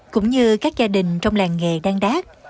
cũng như các gia đình trong làng nghề đang đát